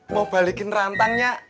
mau balikin rantangnya